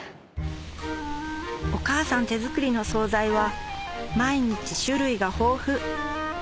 お母さん手作りの総菜は毎日種類が豊富